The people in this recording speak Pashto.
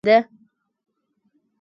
غرونه د افغانستان د جغرافیې بېلګه ده.